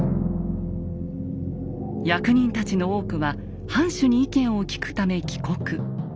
役人たちの多くは藩主に意見を聞くため帰国。